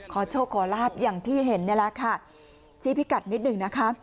ขอโชคขอลาบอย่างที่เห็นนี่แหละค่ะชี้พิกัดนิดหนึ่งนะคะ